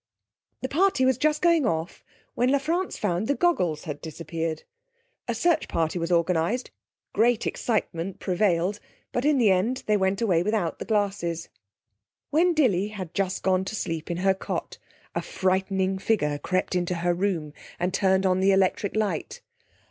The party was just going off when La France found that the goggles had disappeared. A search party was organised; great excitement prevailed; but in the end they went away without the glasses. When Dilly had just gone to sleep in her cot a frightening figure crept into her room and turned on the electric light.